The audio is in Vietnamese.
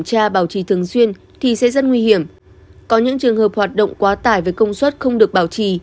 có những trường hợp hoạt động quá tải với công suất không được bảo trì